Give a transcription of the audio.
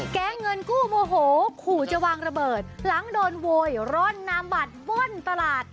แก๊งเงินกู้โมโหขู่จะวางระเบิดหลังโดนโวยร่อนนามบัตรบนตลาด